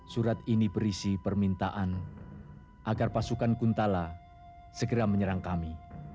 surat ini berisi permintaan agar pasukan kuntala segera menyerang kami